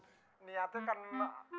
ini ada kan pansulatul rahmi